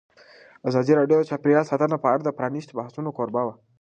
ازادي راډیو د چاپیریال ساتنه په اړه د پرانیستو بحثونو کوربه وه.